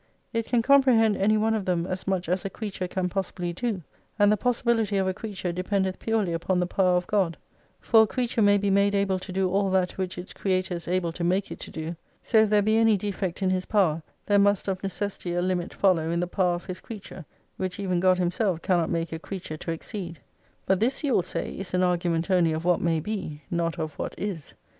It can comprehend any one of them as much as a creature can possibly do : and the possibility of a creature dependeth purely upon the power of God : for a creature may be made able to do all that which its Creator is able to make it to do. So if there be any defect in His power there must of necessity a limit follow in the power of His creature, which even God Himself cannot make a creature to exceed. But this, you will say, is an argument only of what may be, not of what is.